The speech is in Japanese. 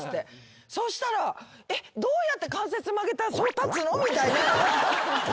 そしたらどうやって関節曲げたらそう立つの？みたいな。